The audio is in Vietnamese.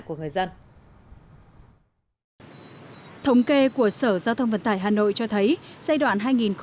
của người dân thống kê của sở giao thông vận tải hà nội cho thấy giai đoạn hai nghìn một mươi một hai nghìn một mươi sáu